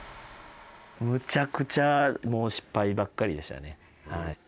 むちゃくちゃもう失敗ばっかりでしたね。